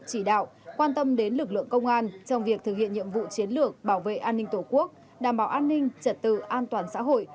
chỉ đạo quan tâm đến lực lượng công an trong việc thực hiện nhiệm vụ chiến lược bảo vệ an ninh tổ quốc đảm bảo an ninh trật tự an toàn xã hội